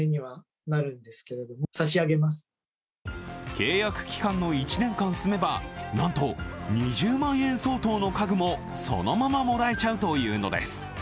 契約期間の１年間住めば、なんと２０万円相当の家具もそのままもらえちゃうというのです。